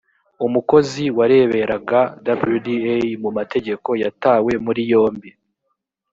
umukozi wareberaga wda mu mategeko yatawe muri yombi